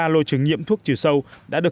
một mươi ba lô trứng nhiễm thuốc trừ sâu